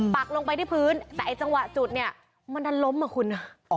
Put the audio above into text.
ปักลงไปที่พื้นแต่ไอ้จังหวะจุดเนี่ยมันดันล้มอ่ะคุณ